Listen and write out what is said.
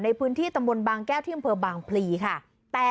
ในพื้นที่ตำรวจบางแก้วที่บางพีค่ะ